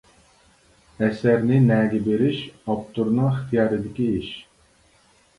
ئەسەرنى نەگە بېرىش ئاپتورنىڭ ئىختىيارىدىكى ئىش.